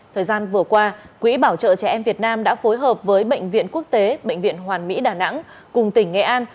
thời gian vừa qua quỹ bảo trợ trẻ em việt nam đã phối hợp với bệnh viện quốc tế bệnh viện hoàn mỹ đà nẵng cùng tỉnh nghệ an